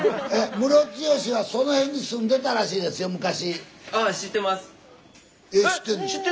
ムロツヨシはその辺に住んでたらしいですよ昔。